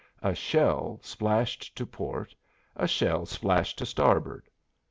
A shell splashed to port, a shell splashed to starboard.